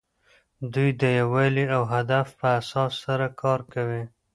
دوی د یووالي او هدف په احساس سره کار کوي.